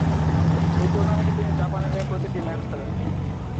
ঐ টুর্নামেন্টে তিনি জাপানের হয়ে প্রতিটি ম্যাচ খেলেন।